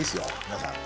皆さん。